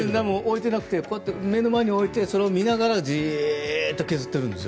なくて目の前に置いてそれを見ながらじーっと削ってるんです。